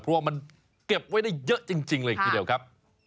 เพราะว่ามันเก็บไว้ได้เยอะจริงเลยทีเดียวครับ